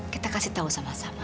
kita kasih tahu sama sama